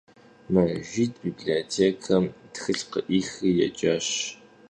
Mejjid bibliotêkam txılh khı'ixri yêcaş.